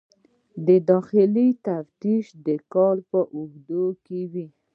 داخلي تفتیش د کال په اوږدو کې وي.